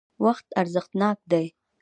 وقت ارزښتناک دی.